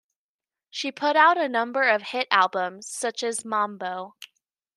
She put out a number of hit albums, such as Mambo!